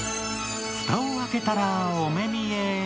蓋を開けたらお目見え。